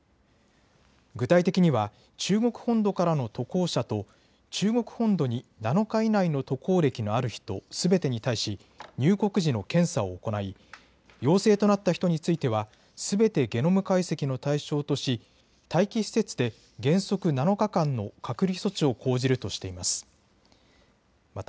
具体的には中国本土からの渡航者と中国本土に７日以内の渡航歴のある人すべてに対し入国時の検査を行い、陽性となった人についてはすべてゲノム解析の対象とし待機施設で原則７日間の隔離措置を講じるとしています。